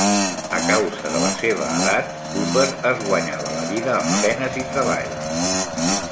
A causa de la seva edat, Cooper es guanyava la vida amb penes i treballs.